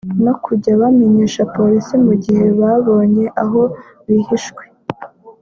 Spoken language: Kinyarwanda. no kujya bamenyesha Polisi mu gihe babonye aho bihinzwe